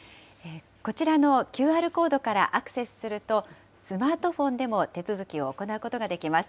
こちらのＱＲコードからアクセスすると、スマートフォンでも手続きを行うことができます。